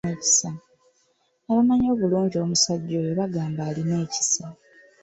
Abamanyi obulungi omusajja oyo bagamba alina ekisa.